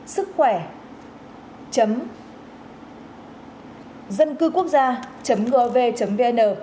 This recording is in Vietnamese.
sức khỏe dâncưquốc gia gov vn